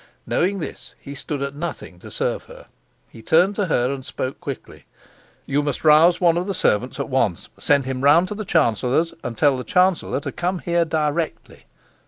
Knowing this, he stood at nothing to serve her. He turned to her and spoke quickly. "You must rouse one of the servants at once. Send him round to the chancellor's and tell the chancellor to come here directly.